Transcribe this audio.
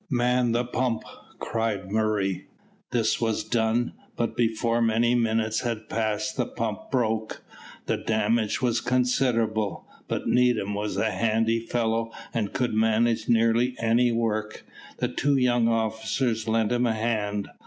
"Man the pump!" cried Murray. This was done, but before many minutes had passed the pump broke. The damage was considerable; but Needham was a handy fellow, and could manage nearly any work. The two young officers lent him a hand.